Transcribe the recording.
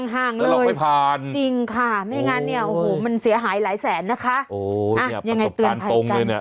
ห่างแล้วเราไม่ผ่านจริงค่ะไม่งั้นเนี่ยโอ้โหมันเสียหายหลายแสนนะคะยังไงเตือนภัยกัน